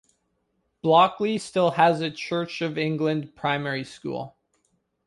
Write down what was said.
Blockley still has a Church of England primary school.